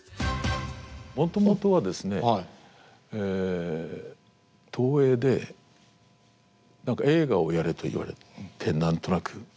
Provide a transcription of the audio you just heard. もともとはですね東映で何か映画をやれと言われて何となく。